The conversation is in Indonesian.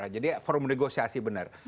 jadi forum negosiasi benar